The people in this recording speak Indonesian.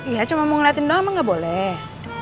iya cuma mau ngeliatin doang mah gak boleh